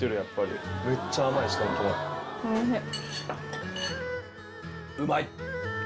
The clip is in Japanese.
おいしい。